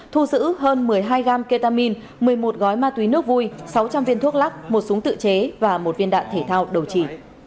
thu giữ hơn một mươi hai gam ketamine một mươi một gói ma túy nước vui sáu trăm linh viên thuốc lắc một súng tự chế và một viên đạn thể thao đầu chỉ